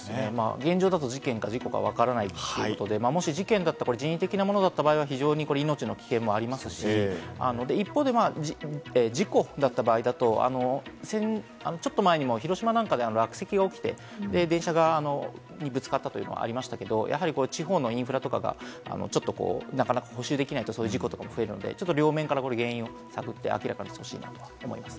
現状だと事件か事故かわからないってことで、事件だったら人為的なものだった場合、命の危険もありますし、一方で事故だった場合だとちょっと前にも広島なんかで落石が起きて電車にぶつかったのがりましたけど、地方のインフラとかがなかなか補修できないと、そういう事故が増えるので両面から原因を探って明らかにしてほしいと思います。